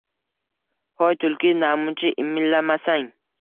Hoy, Tulki, namuncha imillamasang?